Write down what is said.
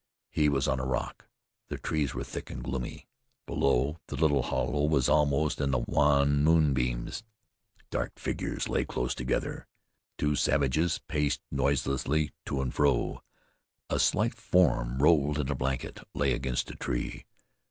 He was on a rock. The trees were thick and gloomy. Below, the little hollow was almost in the wan moonbeams. Dark figures lay close together. Two savages paced noiselessly to and fro. A slight form rolled in a blanket lay against a tree.